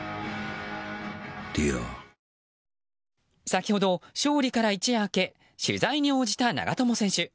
先ほど勝利から一夜明け取材に応じた長友選手。